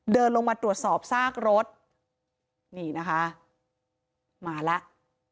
เดินลงมาตรวจสอบซากรถนี่นะคะมาแล้ว